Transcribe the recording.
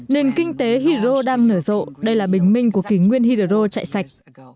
nền kinh tế hydro đang nở rộ đây là bình minh của kỷ nguyên hydro chạy sạch